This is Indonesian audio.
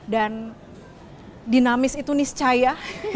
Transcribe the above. dan dinamis itu niscaya